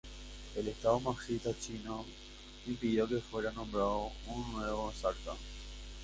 El estado marxista chino impidió que fuera nombrado un nuevo exarca.